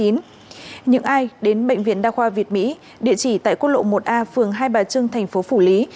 những ai đến bệnh viện đa khoa việt mỹ địa chỉ tại quốc lộ một a phường hai bà trưng thành phố phủ lý